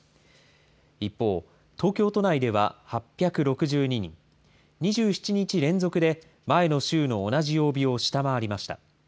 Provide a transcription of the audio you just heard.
一方、東京都内では８６２人、２７日連続で前の週の同じ曜日を下回りました。